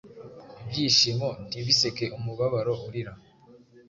Ibyishimo ntibiseke Umubabaro urira!